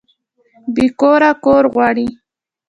بې کوره کور غواړي